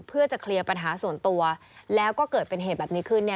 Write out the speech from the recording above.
เพื่อจะเคลียร์ปัญหาส่วนตัวแล้วก็เกิดเป็นเหตุแบบนี้ขึ้นเนี่ย